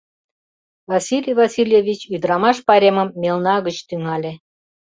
Василий Васильевич ӱдырамаш пайремым мелна гыч тӱҥале.